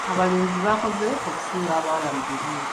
Abalenzi baakoze okusinga abawala mu bigezo.